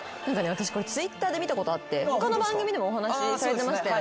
私これＴｗｉｔｔｅｒで見たことあって他の番組でもお話しされてましたよね？